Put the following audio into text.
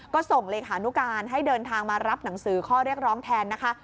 ก็ส่งเลขานุการให้เดินทางมารับหนังสือข้อเรียกร้องแทนนะคะ